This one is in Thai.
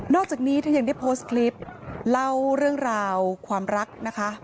อกจากนี้เธอยังได้โพสต์คลิปเล่าเรื่องราวความรักนะคะ